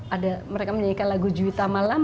ada mereka menyanyikan lagu juwita malam